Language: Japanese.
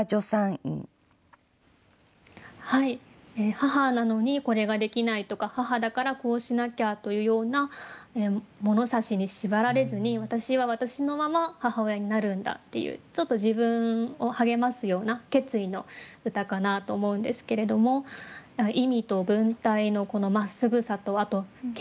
母なのにこれができないとか母だからこうしなきゃというような物差しに縛られずに私は私のまま母親になるんだっていうちょっと自分を励ますような決意の歌かなと思うんですけれども意味と文体のこのまっすぐさと結句の「矢島助産院」ですね